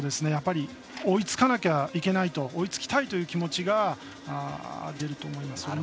やっぱり追いつかなきゃいけないと追いつきたいという気持ちが出ると思います。